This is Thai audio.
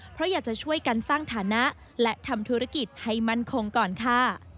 เพราะอยากจะช่วยกันสร้างฐานะและทำธุรกิจให้มั่นคงก่อนค่ะ